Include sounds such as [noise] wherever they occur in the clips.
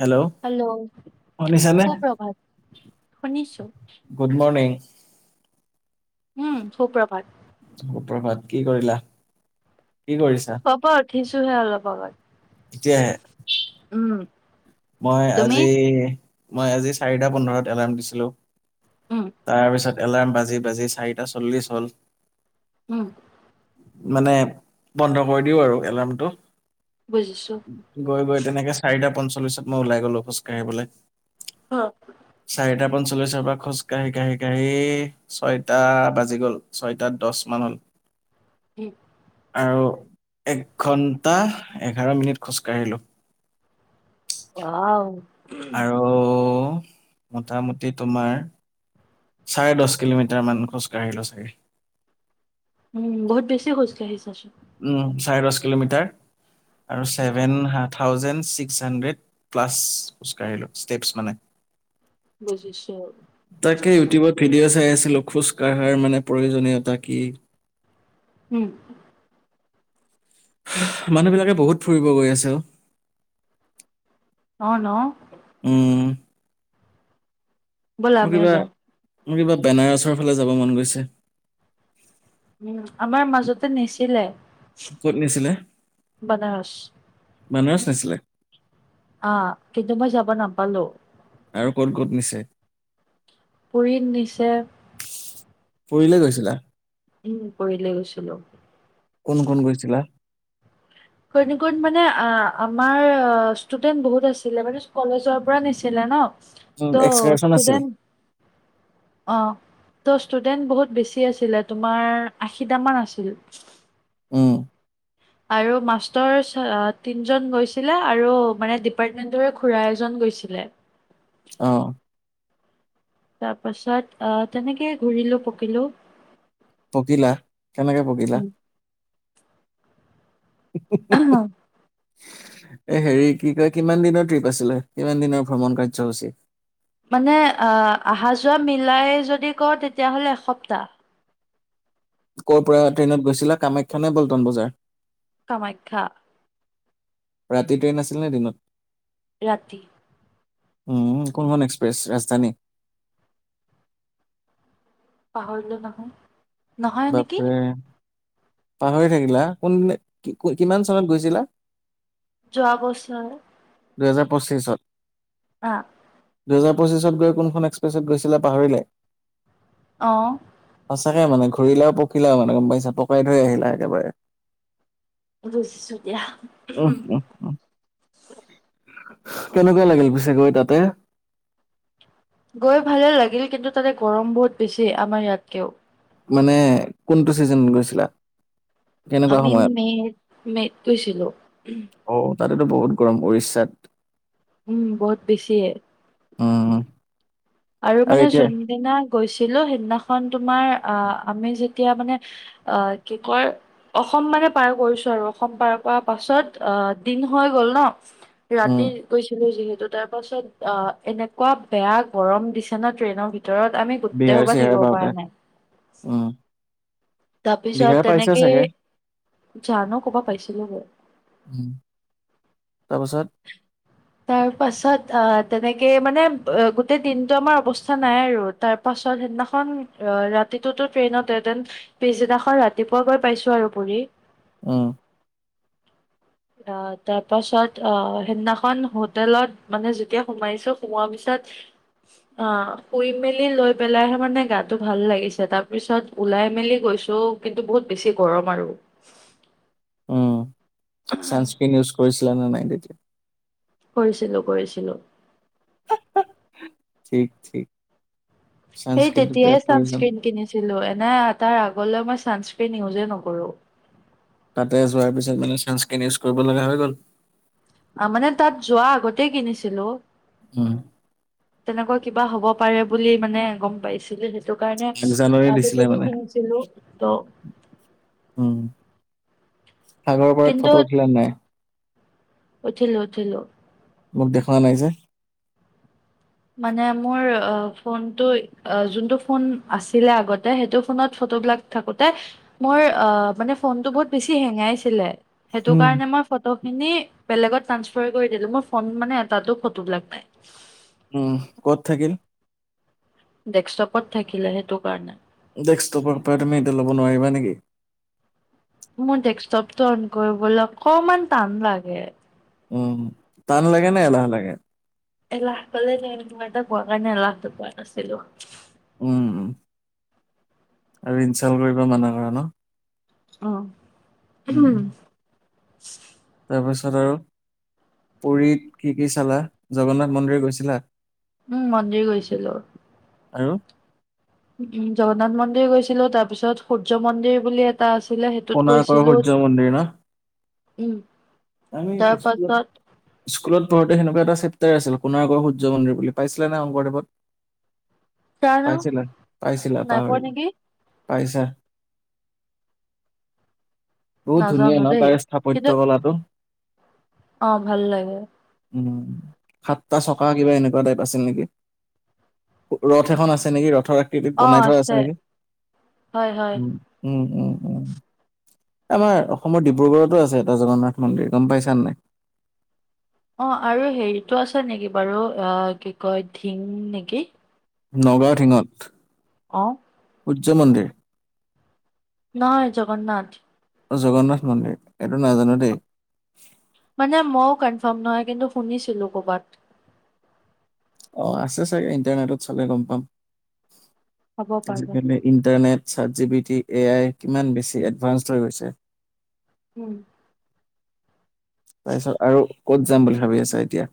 Hello hello শুনিছানে? সুপ্ৰভাত শুনিছো গুড মৰ্ণিং, উম সুপ্ৰভাত সুপ্ৰভাত কি কৰিলা? কি কৰিছা? হব উঠিছোহে অলপ আগত এতিয়াহে উম মই তুমি আজি মই আজি চাৰিটা পোন্ধৰত এলাৰ্ম দিছিলো৷ উম তাৰপিছত এলাৰ্ম বাজি-বাজি চাৰিটা চল্লিছ হ'ল৷ উম মানে বন্ধ কৰি দিও আৰু এলাৰ্মটো৷ বুজিছো গৈ-গৈ তেনেকে চাৰিটা পঞ্চল্লিশত মই ওলাই গলো খোজ কাঢ়িবলে ৷ অ পঞ্চল্লিশৰ পৰা খোজকাাঢ়ি কাঢ়ি-কাঢ়ি-কাঢ়ি ছয়টা বাজি গ'ল ছয়টা দশ মান হল ৷ আৰু এঘণ্টা এঘাৰ মিনিট খোজকাঢ়িলোঁ ৷ আও আৰু মোটামুটি তোমাৰ চাৰে দশ কিলোমিটাৰমান খোজকাাঢ়িলো চাগে৷ উম বহুত বেছি খোজকাঢ়িছাচোন৷ উম চাৰে দহ কিলোমিটাৰ আৰু উম ছেভেন হাত থাউজেণ্ড ছিক্স হাণ্ড্ৰেড প্লাছ খোজকাঢ়িলোঁ ষ্টেপছ মানে৷ বুজিছো ৷ তাকে ইউটিউবত ভিডিঅ' চাই আছিলোঁ খোজকাঢ়াৰ মানে প্ৰয়োজনীয়তা কি৷ উম৷ মানুহ বিলাকে বহুত ফুৰিব গৈ আছে অ! অ ন? উম ব'লা মোৰ আমিও কিবা যাওঁ৷ মোৰ কিবা বেনাৰছৰ ফালে যাব মন গৈছে৷ উম আমাৰ মাজতে নিছিলে ক'ত নিছিলে বানাৰছ বানাৰছ নিছিলে? অহ কিন্তু মই যাব নাপালো৷ আৰু ক'ত-ক'ত নিছে? পুৰীত নিছে ৷ পুৰীলে গৈছিলা? উম পুৰী লে গৈছিলোঁ। কোন কোন গৈছিলা? কোন কোন মানে আ - আমাৰ অ ষ্টুডেন্ট বহুত আছিলে মানে কলেজৰ পৰা নিছিলে ন'। ত' উম, এক্সকাৰচন আছিল ষ্টুডেণ্ট। অ'। ত' ষ্টুডেণ্ট বহুত বেছি আছিলে তোমাৰ আশীটা মান আছিল। উম। আৰু মাষ্টৰ ছয় অ - তিনজন গৈছিলে আৰু মানে ডিপাৰ্টমেন্টৰে খুৰা এজন গৈছিলে। অ'। তাৰ পাছত অ তেনেকে ঘূৰিলো পকিলো। পকিলা কেনেকে পকিলা? হু হু হু [unintelligible] এ হেৰি কি কয়, কিমান দিনৰ ট্ৰিপ আছিলে? কিমান দিনৰ ভ্ৰমণ কাৰ্যসূচী? মানে আ - আহা যোৱা মিলাই যদি কওঁ তেতিয়াহ'লে এসপ্তাহ। কৰ পৰা ট্ৰেইনত গৈছিলা কামাখ্যা নে পল্টন বজাৰ? কামাখ্যা। ৰাতি ট্ৰেইন আছিল নে দিনত? ৰাতি। উম, কোনখন এক্সপ্ৰেছ ৰাজধানী? পাহৰিলো নহয়। নহয় নেকি বাপৰে! পাহৰি থাকিলা! কোনদিনা কি - কু - কিমান চনত গৈছিলা? যোৱা বছৰ। দুই হেজাৰ পঁচিছত? অ'। দুহেজাৰ পঁচিছত গৈ কোনখন এক্সপ্ৰেছত গৈছিলা পাহৰিলাই? অ'। থাকে মানে ঘূৰিলাও পকিলাও মানে গম পাইছা? পকাই থৈ আহিলা একেবাৰে। বুজিছো দিয়া। [unintelligible] কেনেকুৱা লাগিল পিছে গৈ তাতে? গৈ ভালে লাগিল কিন্তু তাতে গৰম বহুত বেছি আমাৰ ইয়াতকেও। মানে কোনটো ছিজনত গৈছিলা? কেনেকুৱা আমি সময়ত মেৰ - মে'ত গৈছিলোঁ। অ তাতেতো বহুত গৰম উৰিষ্যাত। উম বহুত বেছিয়ে। উম। আৰু মানে যোনদিনা গৈছিলোঁ সেইদিনাখন তোমাৰ আ - আমি যেতিয়া মানে অ কি কয় অসম মানে পাৰ কৰিছো আৰু অসম পাৰ কৰা পাছত অ দিন হৈ গ'ল ন উম ৰাতি গৈছিলো যিহেতু তাৰ পাছত অ‌ এনেকুৱা বেয়া গৰম দিছে ন ট্ৰেইনৰ ভিতৰত আমি গোটেই বিহাৰ সোপো চিহাৰ থাকিব পাওঁতে পাৰা নাই। উম তাৰপিছত বিহাৰ পাইছা তেনেকে চাগে জানো ক'বা পাইছিলো গৈ। উম তাৰপাছত? তাৰ পাছত অ তেনেকে মানে অ গোটেই দিনটো আমাৰ অৱস্থা নাই আৰু তাৰ পাছ ছত সেইদনাখন অ ৰাতিটোতো ট্ৰেইনতে, দেন পিছদিনাখন ৰাতিপুৱা গৈ পাইছো আৰু পুৰী। উম। অ তাৰ পাছত অ সেইদনাখন হোটেলত মানে যেতিয়া সোমাইছোঁ সোমোৱা পিছত ছত অ' শুই মেলি লৈ পেলাইহে মানে গাটো ভাল লাগিছে, তাৰ পিছত ওলাই মেলি গৈ গৈছো কিন্তু বহুত বেছি গৰম আৰু। উম। ছানস্ক্ৰিন ইউজ কৰিছিলা নে নাই তেতিয়া? কৰিছিলোঁ কৰিছিলোঁ। ঠিক ঠিক। সেই চানস্ক্ৰীনটো তেতিয়াই বিৰাট প্ৰয়োজন চানস্ক্ৰীণ কিনিছিলো, এনে তাৰ আগলৈ মই ছানস্ক্ৰীন ইউজেই নকৰোঁ। তাতে যোৱাৰ পিছত মানে ছানস্কিন ইউজ কৰিব লগা হৈ গ'ল। মানে তাত যোৱা আগতে কিনিছিলো। উম। তেনেকুৱা কিবা হ'ব পাৰে বুলি মানে গম পাইছিলো। টো কাৰণে এক জানুৱাৰী দিছিলে আগতেতো মানে কিনিছিলো ত' আগৰৰ পৰা কিন্তু ফটো উঠিলে নাই? উঠিলো উঠিলো। মোক দেখুওৱা নাই যে? মানে মোৰ অ ফোনটো যোনটো ফোন আছিলে আগতে সেইটো ফোনত ফটোবিলাক থাকোতে, মোৰ অ মানে ফোনটো বহুত বেছি হেঙাইছিলে। সেইটো উম কাৰণে মই ফটো খিনি বেলেগত টান্সফাৰ কৰি দিলো মোৰ ফন মানে তাতো ফটোবিলাক নাই। উম ক'ত থাকিল? ডেক্সটপত থাকিলে সেইটো কাৰণে। ডেস্কটপৰ পৰা তুমি এইটো ল'ব নোৱাৰিবা নেকি? মোৰ ডেস্ক টপটো অন কৰিবলৈ অকমান টান লাগে। উম টান লাগে ন এলাহ লাগে? এলাহ কলে ন ম এটা কোৱা কাৰণে এলাহ পোৱা নাছিলো। উম উম আৰু ইনচাল কৰিব মানা কৰা ন। অহ, উম ওঁহুম। তাৰপিছত আৰু পুৰীত কি কি চালা, জগন্নাথ মন্দিৰ গৈছিলা? মন্দিৰ গৈছিলোঁ। আৰু উম জগন্নাথ মন্দিৰ গৈছিলো, তাৰ পিছত সূৰ্য মন্দিৰ বুলি এটা আছি ছিলে সেইটোত কোণাৰ্কৰ গৈছিলো সূৰ্য মন্দিৰ ন উম। আমি তাৰ স্কুলত পাছত স্কুলত ওচৰতে সেনেকোৱা এটা চেপটাৰ আছিল কোনা আগৰ সূৰ্য মন্দিৰ বুলি পাইছিলা নে শংকৰদেৱত? জানো পাইছিলা? পাইছিলা? নাই পোৱা পাহৰিলা। নেকি পাইছা। বহুত ধুনীয়া নাজানো ন দেই। তাৰে কিন্তু স্থাপত্য কলাটো। অ ভাল লাগে। উম, সাতটা চকা কিবা এনেকুৱা টাইপ আছিল নেকি? ৰথ এখন আছে নেকি ৰথ পথ আকৃতিত বনাই থোৱা আছে নেকি? হয়, হয়। উম উম উম উম। আমাৰ অসমৰ ডিব্ৰুগড়তো আছে এটা জগন্নাথ মন্দিৰ গম পাইছা নে নাই? অ আৰু হেৰিটো আছে নেকি বাৰু অ কি কয় থিং নেকি? নগাঁও ঠিঙত। অহ। সূৰ্য মন্দিৰ। নহয় জগন্নাথ। জগন্নাথ মন্দিৰ, এইটো নাজানো দেই। মানে মৌ কনফাৰ্ম নহয় কিন্তু শুনিছিলোঁ ক'বাত। অ আছে চাগে ইণ্টাৰনেটত চালে গম পাম। হ'ব পাৰে আজিকালি ইণ্টাৰনেট তাত G B T, A I কিমান বেছি এডভানস হৈ গৈছে। উম তাৰপিছত আৰু ক'ত যাম বুলি ভাবি আছা এতিয়া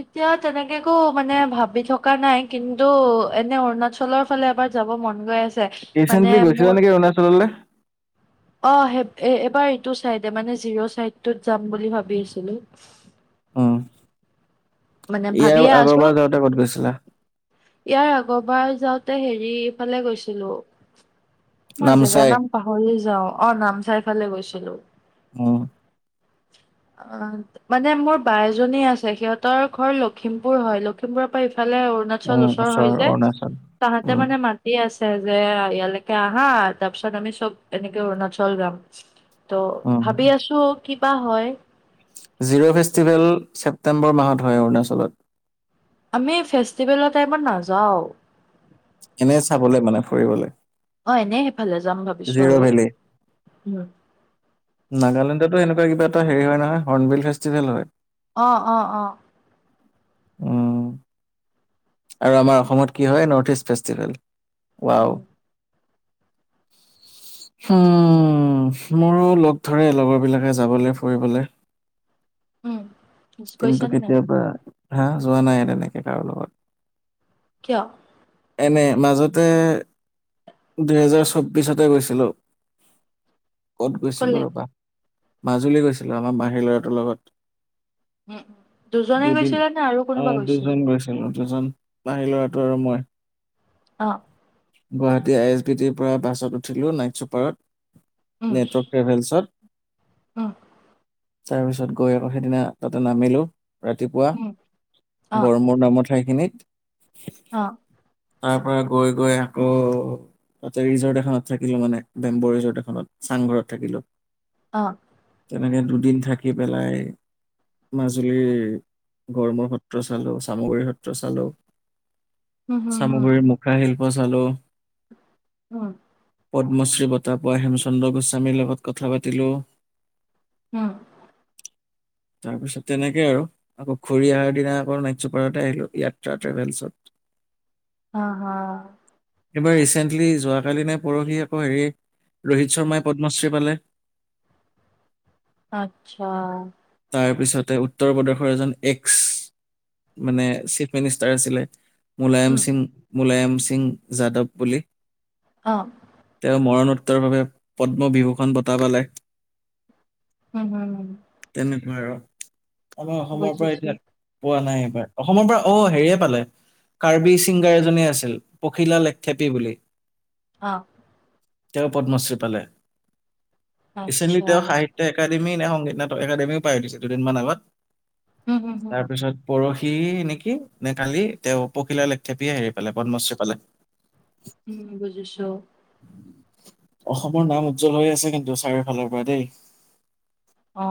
এতিয়া তেনেকে একো মানে ভাবি থকা নাই কিন্তু এনে অৰুণাচলৰ ফালে এবাৰ যাব মন গৈ আছে মানে ৰিচেণ্টলি গৈছিলা মোৰ নেকি অৰুণাচললে? অ সে এবাৰ এইটো চাইডে মানে জিৰ' চাইডটোত যাম বুলি ভাবি আছিলো উম মানে ভাবিয়ে ইয়াৰ আছো আগৰবাৰ যাওঁতে কত গৈছিলা ইয়াৰ আগৰবাৰ যাওঁতে হেৰিফালে গৈছিলো মই জেগা নামচাই নাম পাহৰি যাওঁ অ নামচাই ফালে গৈছিলো উম অ মানে মোৰ বাইজনী আছে সিহঁত ৰ ঘৰ লখিমপুৰ হয় লখিমপুৰৰ পৰা ইফালে অৰুণাচল উম, ওচৰ হৈ যে অৰুণাচল। তাহাঁতে উম, মানে মাটি আছে যে ইয়ালৈকে আহা তাৰপিছত আমি চব এনেকে অৰুণাচল যাম ত' উম, ভাবি আছো কিবা হয় জিৰ' ফেষ্টিভেল ছেপ্টেম্বৰ মাহত হয় অৰুণাচলত আমি ফেষ্টিভেলৰ টাইমত নাযাওঁ এনে চাবলে মানে ফুৰিবলে অ এনেই সেইফালে যাম ভাবিছো জিৰ' আৰু ভেলি উম নাগালেণ্ডটো এনে কিবা এটা হেৰি হয় নহয় হৰ্ণবিল ফেষ্টিভেল হয় অ অ অ উম আৰু আমাৰ অসমত কি হয় নৰ্থ ইষ্ট ফেষ্টিভেল উৱাও উম হুমমমম মোৰো লগ ধৰে লগৰবিলাকে যাবল ফুৰিবলে উম কিন্তু গৈছা নে নাই কেতিয়াবা হা যোৱা নাই তেনেকে কাৰো লগত কিয় এনে মাজতে দুহেজাৰ চৌবিছতে গৈছিলোঁ ক'ত গৈছিলো কলে ৰবা মাজুলী গৈছিলো আমাৰ মাহীৰ ল'ৰাটোৰ লগত উম উম। দুজনে দুদিন গৈছিলে নে আৰু অ কোনোবা গৈছিল দুজন গৈছিলো দুজন মাহী ল'ৰাটো আৰু মই অ গুৱাহাটী আই এছ বি টিৰ পৰা বাছত উঠিলোঁ নাইট চুপাৰত নেটৱৰ্ক ট্ৰেভেলছত অ তাৰ পিছত গৈ আকৌ সেইদিনা তাতে নামিলো ৰাতিপুৱা উম অ গৰমৰ নামৰ ঠাইখিনিত অ তাৰ পৰা গৈ গৈ অ তাতে ৰিজৰ্ট এখনত থাকিলো মানে বেম্ব ৰিজৰ্ট এখনত চাংঘৰত থাকিলো অ তেনেকে দুদিন থাকি পেলাই মাজুলীৰ গৰমৰ সত্ৰ চালোঁ চামুগুৰি সত্ৰ চালোঁ উম হম হম চামুগুৰীৰ মুখা শিল্প চালো উম পদ্মশ্ৰী বঁটা পোৱা হেমচন্দ্ৰ গোস্বামীৰ লগত কথা পাতিলোঁ উম তাৰপিছত তেনেকে আৰু আকৌ ঘূৰি অহাৰ দিনা আকৌ নাইচুপাৰতে আহিলো ইয়াত্ৰা ট্ৰেভেলছত [inaudible] অ হ। এইবাৰ ৰিচেণ্টলি যোৱাকালি নে পৰহি আকৌ হেৰি ৰোহিত শৰ্মাই পদ্মশ্ৰী পালে। আত্ছা। তাৰপিছতে উত্তৰ প্ৰদেশৰ এজন এক্স মানে চিফ মিনিষ্টাৰ আছিলে মুলায়ম উম সিং মুলায়ম সিং যাদৱ বুলি অ তেওঁ মৰাণোত ত্তৰ ভাৱে পদ্মবিভূষণ বঁটা পালে। হম হম হম। তেনেকুৱা আৰু আমাৰ অসমৰ পৰা বুজিছো। এতিয়া পোৱা নাই। অসমৰ পৰা অ হেৰিয়ে পালে কাৰ্বি ছিংগাৰ এজনী আছিল পখিলা লেখথেপী বুলি অ। তেওঁ পদ্মশ্ৰী পালে। ৰিচেণ্টলি আচ্ছা, তেওঁ সাহিত্য একাডেমী নে সংগীত না একাডেমিও পাই উঠিছে দুদিনমান আগত উম, হুম, হুম, তাৰ পিছত পৰহি কি নেকি নে কালি তেওঁ পখিলা লেথেপিয়ে হেৰি পালে পদ্মশ্ৰী পালে। উম বুজিছো। অসমৰ নাম উজ্জ্বল হৈ আছে কিন্তু চাৰিওফালৰ পৰা দেই। অ।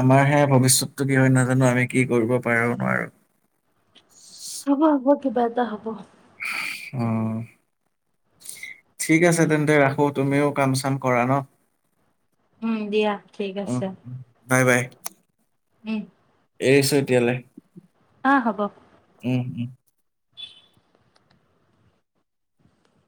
আমাৰহে ভৱিষ্যতটো কি হয় নাজানো আৰু কি কৰিব পাৰোঁ নোৱাৰোঁ। হ'ব হ'ব কিবা এটা হব। অহ। ঠিক আছে তেন্তে ৰাখো তুমিও কাম চাম কৰা ন। উম দিয়া ঠিক উম আছে। Bye bye. উম। এৰিছো এতিয়ালৈ অ হ'ব। উম উম।